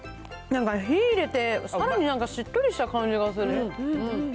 なんか火入れて、さらになんかしっとりした感じがする。